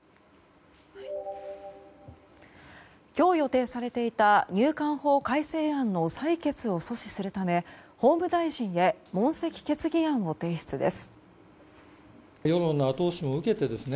今日予定されていた入管法改正案の採決を阻止するため、法務大臣へ問責決議案を提出です。